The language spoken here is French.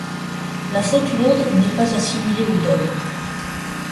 La faute lourde n'est pas assimilée au dol.